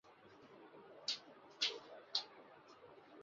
لاہور نجی bodybuilding club کے تحت Pakistan bodybuilding championship کا انعقاد